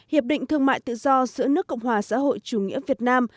hiệp định thương mại tự do giữa nước cộng hòa xã hội chủ nghĩa việt nam